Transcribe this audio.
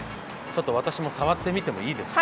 私も触ってみてもいいですか？